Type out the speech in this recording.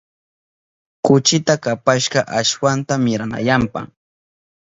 Kuchita kapashka ashwanta wirayananpa.